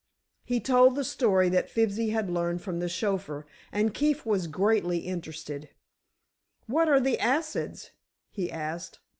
He told the story that Fibsy had learned from the chauffeur, and Keefe was greatly interested. "What are the acids?" he asked.